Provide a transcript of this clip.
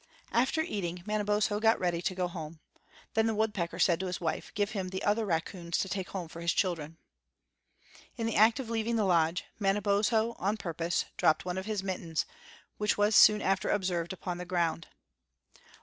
After eating, Manabozho got ready to go home. Then the woodpecker said to his wife, "Give him the other raccoons to take home for his children." In the act of leaving the lodge, Manabozho, on purpose, dropped one of his mittens, which was soon after observed upon the ground.